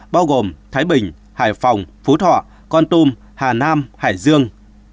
bao gồm thái bình hải phòng phú thọ con tum hà nam hải dương